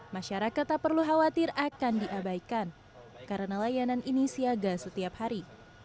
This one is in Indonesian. masyarakat tak perlu khawatir akan diabaikan karena layanan ini siaga setiap hari